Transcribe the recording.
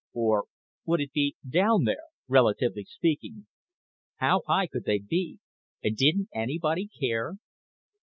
Or would it be down there, relatively speaking? How high could they be, and didn't anybody care?